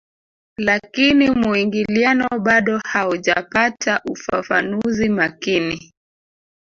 Lakini muingiliano bado haujapata ufafanuzi makini